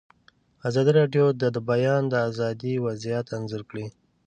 ازادي راډیو د د بیان آزادي وضعیت انځور کړی.